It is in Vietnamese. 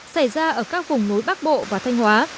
xảy ra ở các vùng núi bắc bộ và thanh hóa